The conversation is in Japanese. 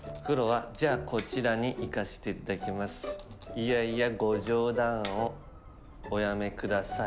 いやいやご冗談をおやめ下さい。